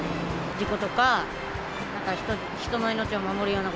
事故とか、なんか人の命を守るような